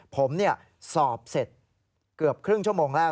ผมสอบเสร็จเกือบครึ่งชั่วโมงแรก